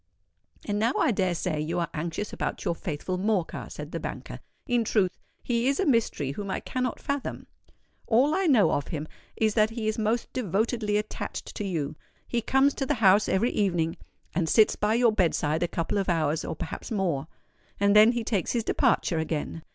"And now I dare say you are anxious about your faithful Morcar," said the banker. "In truth, he is a mystery whom I cannot fathom. All I know of him is that he is most devotedly attached to you. He comes to the house every evening, and sits by your bed side a couple of hours, or perhaps more; and then he takes his departure again.